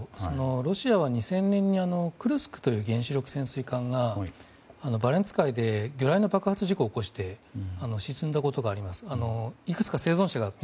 ロシアは２０００年に「クルスク」という原子力潜水艦が魚雷の爆発事故を起こして沈んだことがあります。